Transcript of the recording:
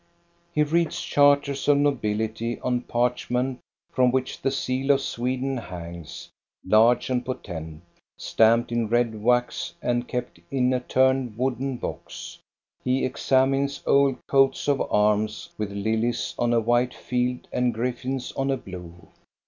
He reads charters of nobility on parchment, from which the seal of Sweden hangs, large and potent, stamped in red wax and kept in a turned wooden box. He examines old coats of arms with lilies on a white field and griffins on a blue.